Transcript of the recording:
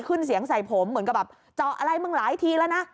ขึ้นเสียงใส่ผมเหมือนกับแบบเจาะอะไรมึงหลายทีแล้วนะ